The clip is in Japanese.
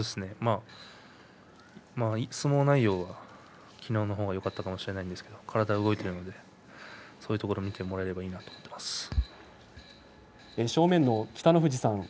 相撲内容がきのうのほうがよかったかもしれないんですが体が動いているのでそういうところを見てもらえればいいなと思います。